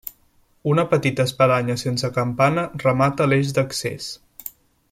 Una petita espadanya sense campana remata l'eix d'accés.